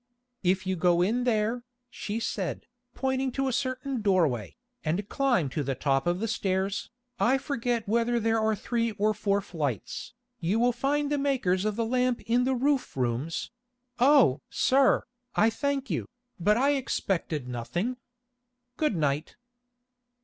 "If you go in there," she said, pointing to a certain doorway, "and climb to the top of the stairs, I forget whether there are three or four flights, you will find the makers of the lamp in the roof rooms—oh! sir, I thank you, but I expected nothing. Good night."